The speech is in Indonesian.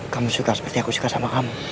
kamu suka seperti aku suka sama kamu